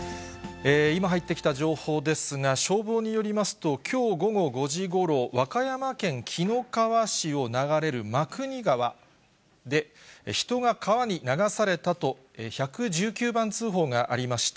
今入ってきた情報ですが、消防によりますと、きょう午後５時ごろ、和歌山県紀の川市を流れる真国川で、人が川に流されたと、１１９番通報がありました。